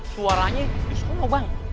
suaranya disana bang